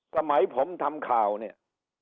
สมัยผมทำข่าวเนี่ย